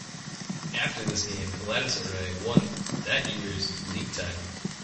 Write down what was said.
After this game, Galatasaray won that year's League title.